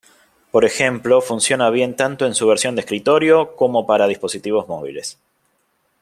Por ejemplo, funciona bien tanto en su versión de escritorio como para dispositivos móviles.